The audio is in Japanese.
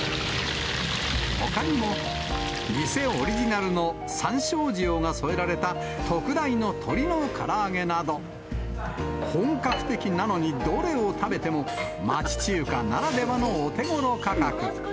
ほかにも、店オリジナルのさんしょう塩が添えられた特大の鶏のから揚げなど、本格的なのにどれを食べても町中華ならではのお手ごろ価格。